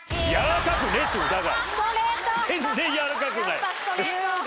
全然やわらかくない。